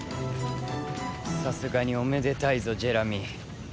さすがにおめでたいぞジェラミー。